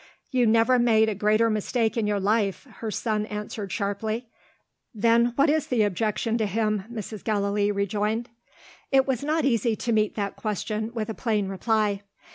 "You never made a greater mistake in your life," her son answered sharply. "Then what is the objection to him?" Mrs. Gallilee rejoined. It was not easy to meet that question with a plain reply.